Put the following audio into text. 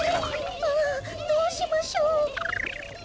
ああどうしましょう。